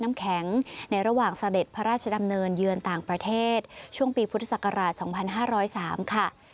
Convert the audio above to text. น้ำแข็งในระหว่างเสด็จพระราชดำเนินเยือนต่างประเทศช่วงปีพุทธศักราช๒๕๐๓ค่ะ